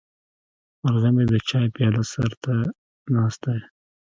مرغه مې د چای پیاله سر ته ناست دی.